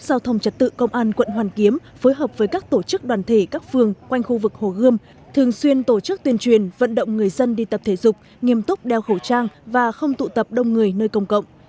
giao thông trật tự công an quận hoàn kiếm phối hợp với các tổ chức đoàn thể các phường quanh khu vực hồ gươm thường xuyên tổ chức tuyên truyền vận động người dân đi tập thể dục nghiêm túc đeo khẩu trang và không tụ tập đông người nơi công cộng